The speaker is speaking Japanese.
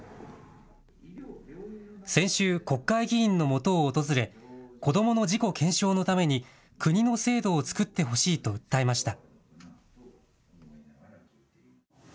先週、国会議員のもとを訪れ子どもの事故検証のために国の制度を作ってほしいと訴えました。